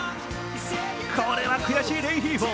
これは悔しいレンヒーフォ。